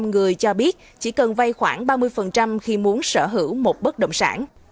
một mươi người cho biết chỉ cần vay khoảng ba mươi khi muốn sở hữu một bất động sản